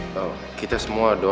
tolong dicek semua ya sus ya